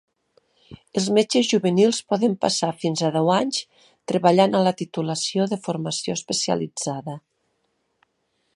Els metges juvenils poden passar fins a deu anys treballant a la titulació de formació especialitzada.